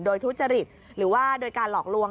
โดยทุจริตหรือว่าโดยการหลอกลวง